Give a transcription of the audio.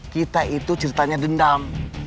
kita itu ceritanya dendam